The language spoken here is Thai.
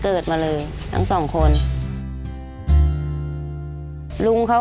ขอเพียงคุณสามารถที่จะเอ่ยเอื้อนนะครับ